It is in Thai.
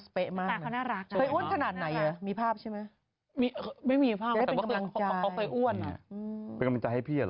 เป็นกำลังใจให้พี่หรอ